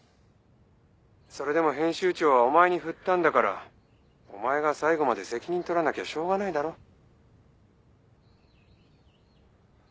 それでも編集長はお前に振ったんだからお前が最後まで責任とらなきゃしょうがないだろ？